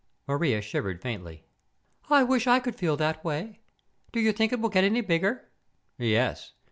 Maria shivered faintly. "I wish I could feel that way. Do you think it will get any bigger?" "Yes.